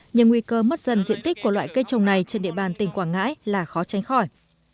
nhưng nguy cơ mất dần diện tích của loại cây trồng này trên địa bàn tỉnh quảng ngãi là khó tránh khỏi